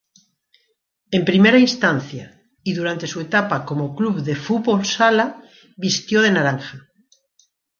En primera instancia, y durante su etapa como club de fútbol-sala vistió de naranja.